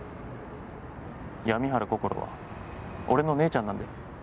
闇原こころは俺の姉ちゃんなんで。